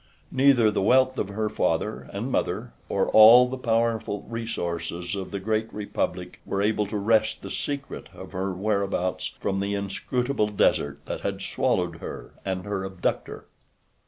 Neither the wealth of her father and mother, or all the powerful resources of the great republic were able to wrest the secret of her whereabouts from the inscrutable desert that had swallowed her and her abductor.